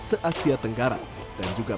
se asia tenggara dan juga